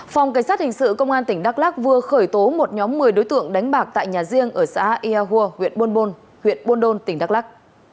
phòng cảnh sát hình sự công an tỉnh đắk lắc vừa khởi tố một nhóm một mươi đối tượng đánh bạc tại nhà riêng ở xã ea hua huyện bôn đôn tỉnh đắk lắc